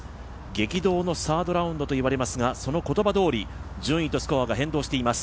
激動のサードラウンドと言われますがその言葉どおり、順位とスコアが変動しています。